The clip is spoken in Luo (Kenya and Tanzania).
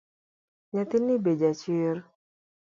Nyathini be ja chir